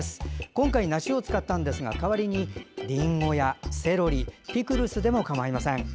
今回、梨を使ったんですが代わりに、りんごやセロリピクルスでもかまいません。